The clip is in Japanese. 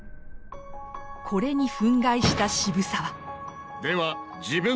これに憤慨した渋沢。